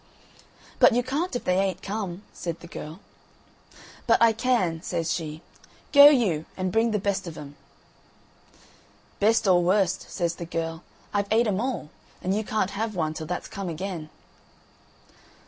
"But you can't, if they ain't come," said the girl. "But I can," says she. "Go you, and bring the best of 'em." "Best or worst," says the girl, "I've ate 'em all, and you can't have one till that's come again."